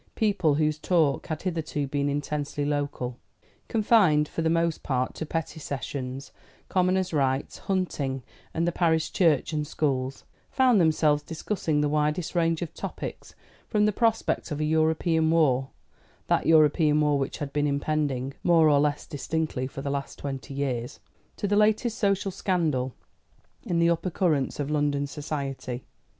People whose talk had hitherto been intensely local confined, for the most part to petty sessions, commoners' rights, hunting, and the parish church and schools found themselves discussing the widest range of topics, from the prospect of a European war that European war which has been impending more or less distinctly for the last twenty years to the latest social scandal in the upper currents of London society.